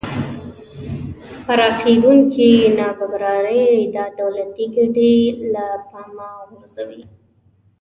پراخېدونکې نابرابرۍ ادعا دولتی ګټې له پامه غورځوي